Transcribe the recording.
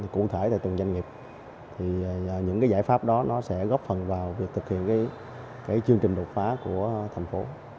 cụ thể là từng doanh nghiệp thì những cái giải pháp đó nó sẽ góp phần vào việc thực hiện chương trình đột phá của thành phố